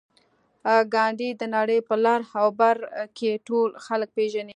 ګاندي د نړۍ په لر او بر کې ټول خلک پېژني